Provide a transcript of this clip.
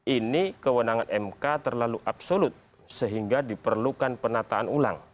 ini kewenangan mk terlalu absolut sehingga diperlukan penataan ulang